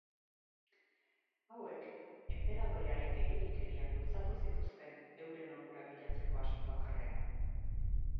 Hauek enperadorearen gehiegikeriak bultzatu zituzten euren onura bilatzeko asmo bakarrean.